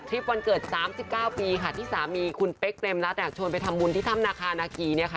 วันเกิด๓๙ปีค่ะที่สามีคุณเป๊กเรมรัฐชวนไปทำบุญที่ถ้ำนาคานาคีเนี่ยค่ะ